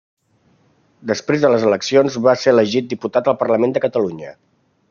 Després de les eleccions, va ser elegit diputat al Parlament de Catalunya.